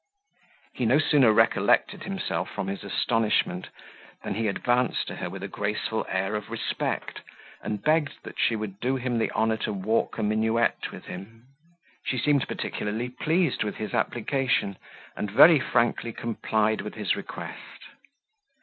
He no sooner recollected himself from his astonishment, than he advanced to her with a graceful air of respect, and begged she would do him the honour to walk a minuet with him. She seemed particularly pleased with his application, and very frankly complied with his request.